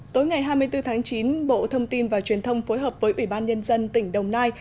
tối ngày hai mươi bốn tháng chín bộ thông tin và truyền thông phối hợp với ủy ban nhân dân tỉnh đồng nai